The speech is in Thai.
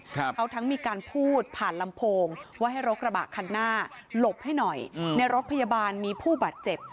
เขาทั้งมีการพูดผ่านลำโพงว่าให้รถกระบะคันหน้าหลบให้หน่อยอืมในรถพยาบาลมีผู้บาดเจ็บ